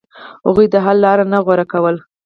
هغوی د حل لار نه غوره کوله.